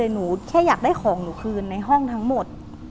หนูแค่อยากได้ของหนูคืนในห้องทั้งหมด